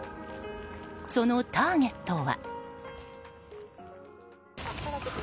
そのターゲットは。